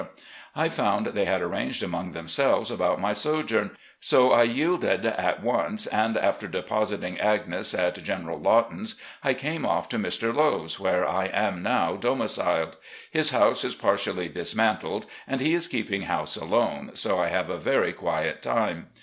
I found they had arranged among themselves about my sojourn, so I yielded at once, and, after depositing Agnes at General Lawton's, I came off to Mr. Lowe's, where I am now domiciled. His house is partially dismantled and he is keeping house alone, so I have a very quiet time.